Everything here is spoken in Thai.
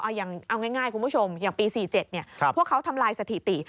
เอาง่ายคุณผู้ชมอย่างปี๔๗พวกเขาทำลายสถิติ